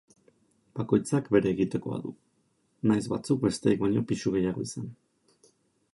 Bakoitzak bere egitekoa du, nahiz batzuk besteek baino pisu gehiago izan.